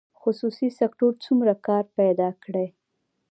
خصوصي سکتور څومره کار پیدا کړی؟